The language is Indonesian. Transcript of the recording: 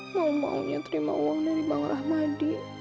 mau maunya terima uang dari bang rahmadi